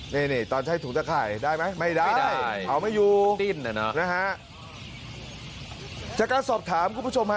นี่ตอนใช้ถุงตาข่ายได้ไหมไม่ได้เอาไว้อยู่จากการสอบถามคุณผู้ชม